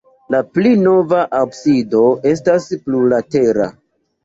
La pli nova absido estas plurlatera.